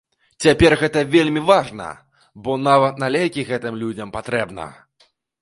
Цяпер гэта вельмі важна, бо нават на лекі гэтым людзям патрэбна.